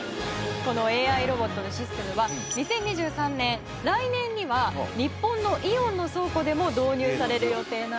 このＡＩロボットのシステムは２０２３年来年には日本のイオンの倉庫でも導入される予定なんです。